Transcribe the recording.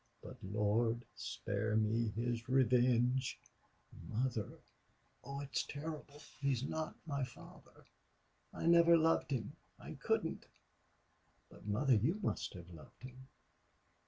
"But Lord spare me his revenge!" "Mother! Oh, it is terrible!... He is not my father. I never loved him. I couldn't.... But, mother, you must have loved him!"